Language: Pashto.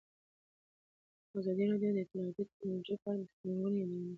ازادي راډیو د اطلاعاتی تکنالوژي په اړه د ننګونو یادونه کړې.